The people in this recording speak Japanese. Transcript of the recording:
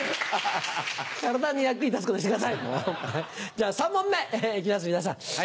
じゃあ３問目行きます皆さん。